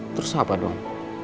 terus apa dong